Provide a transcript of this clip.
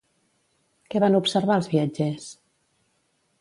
Què van observar els viatgers?